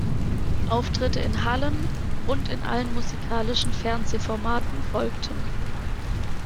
Auftritte in Hallen und in allen musikalischen Fernsehformaten folgten.